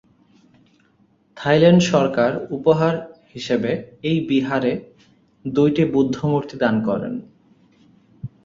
Thailand সরকার উপহার হিসেবে এই বিহারে দুইটি বুদ্ধ মূর্তি দান করেন।